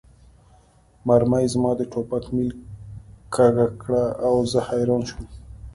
مرمۍ زما د ټوپک میل کږه کړه او زه حیران شوم